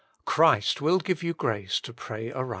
Christ will give you grace to pray aright.